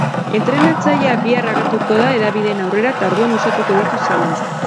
Entrenatzailea bihar agertuko da hedabideen aurrera eta orduan uxatuko ditu zalantzak.